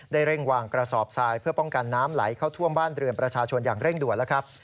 เร่งวางกระสอบทรายเพื่อป้องกันน้ำไหลเข้าท่วมบ้านเรือนประชาชนอย่างเร่งด่วนแล้วครับ